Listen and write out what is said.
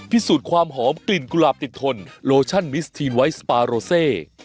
พิสูจน์ความหอมกลิ่นกุหลาบติดทนโลชั่นมิสทีนไวท์สปาโรเซ